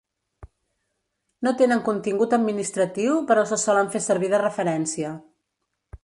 No tenen contingut administratiu però se solen fer servir de referència.